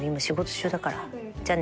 じゃあね。